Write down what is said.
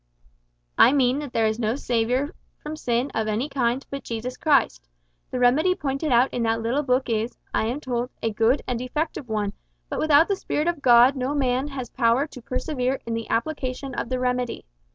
"I mean that there is no Saviour from sin of any kind but Jesus Christ. The remedy pointed out in that little book is, I am told, a good and effective one, but without the Spirit of God no man has power to persevere in the application of the remedy.